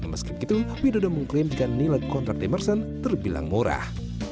meski begitu widodo mengklaim jika nilai kontrak demerson terbilang murah